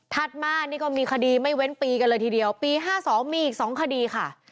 ถัดมานี่ก็มีคดีไม่เว้นปีกันเลยทีเดียวปีห้าสองมีอีกสองคดีค่ะ